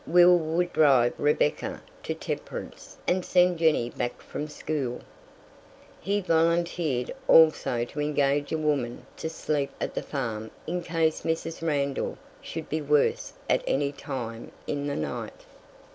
Will would drive Rebecca to Temperance and send Jenny back from school. He volunteered also to engage a woman to sleep at the farm in case Mrs. Randall should be worse at any time in the night.